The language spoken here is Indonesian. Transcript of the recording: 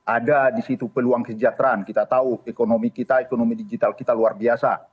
ada di situ peluang kesejahteraan kita tahu ekonomi kita ekonomi digital kita luar biasa